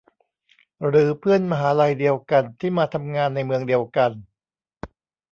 หรือเพื่อนมหาลัยเดียวกันที่มาทำงานในเมืองเดียวกัน